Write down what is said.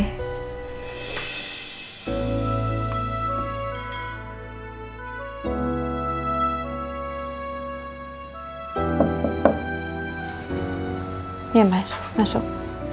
ya mas masuk